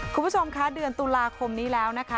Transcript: คุณผู้ชมคะเดือนตุลาคมนี้แล้วนะคะ